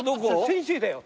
先生だよ。